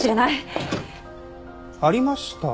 ありました。